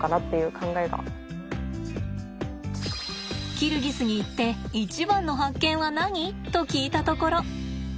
「キルギスに行って一番の発見は何？」と聞いたところ。